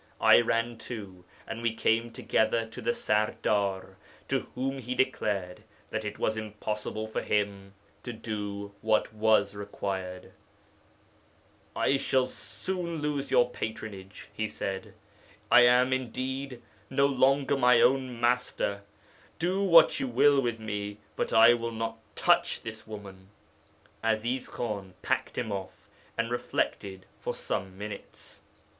I ran too, and we came together to the serdar, to whom he declared that it was impossible for him to do what was required. "I shall lose your patronage," he said. "I am, indeed, no longer my own master; do what you will with me, but I will not touch this woman." 'Aziz Khan packed him off, and reflected for some minutes.